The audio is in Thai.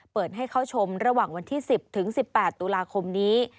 เปิดให้เข้าชมระหว่างวันที่๑๐ถึง๑๘ตุลาคมนี้